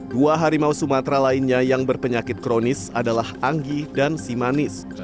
dua harimau sumatra lainnya yang berpenyakit kronis adalah anggi dan si manis